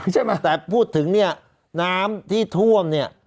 ใช่ไหมแต่พูดถึงเนี่ยน้ำที่ท่วมเนี่ย